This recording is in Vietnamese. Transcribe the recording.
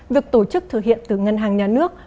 việc tổ chức thực hiện từ ngân hàng nhà nước